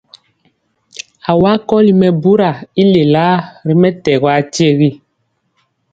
Awa kɔli mɛbura i lelaa ri mɛtɛgɔ akyegi.